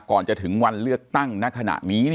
ก่อนจะถึงวันเลือกตั้งณขณะนี้